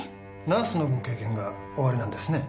ナースのご経験がおありなんですね。